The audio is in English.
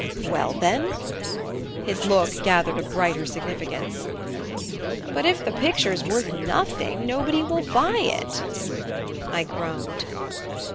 "Well, then " His look gathered a brighter significance. "But if the picture's worth nothing, nobody will buy it " I groaned.